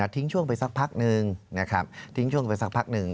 ทิ้งช่วงไปสักพักนึงนะครับทิ้งช่วงไปสักพักหนึ่ง